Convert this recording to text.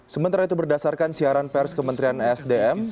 sementara itu berdasarkan siaran pers kementerian sdm